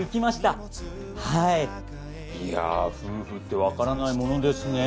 いや夫婦ってわからないものですね。